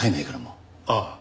ああ。